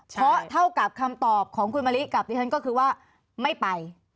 เพราะเท่ากับคำตอบของคุณมะลิกับดิฉันก็คือว่าไม่ไป